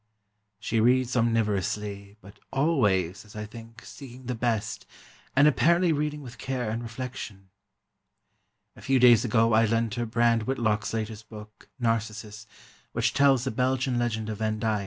She reads omnivorously, but always, as I think, seeking the best, and apparently reading with care and reflection. A few days ago I lent her Brand Whitlock's latest book, "Narcissus," which tells a Belgian legend of Van Dyck.